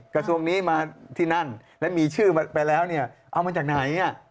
กระทรวงนี้มาที่นั่นและมีชื่อไปแล้วเนี่ยเอามาจากไหน